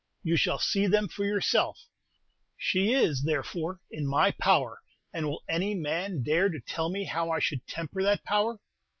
You shall see them for yourself. She is, therefore, in my power; and will any man dare to tell me how I should temper that power?"